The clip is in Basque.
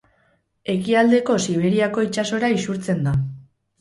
Ekialdeko Siberiako itsasora isurtzen da.